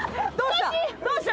どうした。